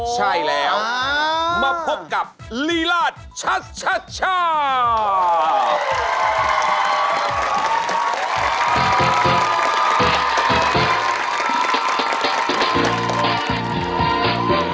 ใช่แล้วมาพบกับลีลาดชัชชาติ